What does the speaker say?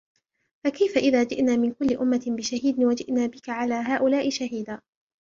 فَكَيْفَ إِذَا جِئْنَا مِنْ كُلِّ أُمَّةٍ بِشَهِيدٍ وَجِئْنَا بِكَ عَلَى هَؤُلَاءِ شَهِيدًا